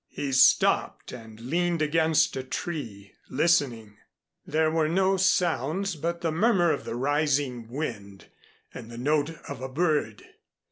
He stopped and leaned against a tree listening. There were no sounds but the murmur of the rising wind and the note of a bird.